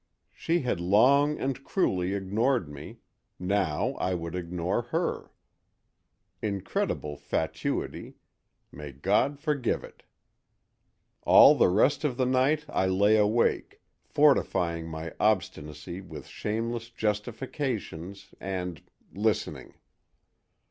She had long and cruelly ignored me; now I would ignore her. Incredible fatuity—may God forgive it! All the rest of the night I lay awake, fortifying my obstinacy with shameless justifications and—listening.